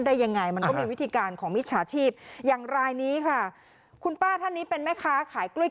ได้ยังไงมันก็มีวิธีการของมิจฉาชีพอย่างรายนี้ค่ะคุณป้าท่านนี้เป็นแม่ค้าขายกล้วย